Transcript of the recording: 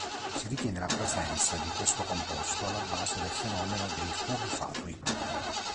Si ritiene la presenza di questo composto alla base del fenomeno dei "fuochi fatui".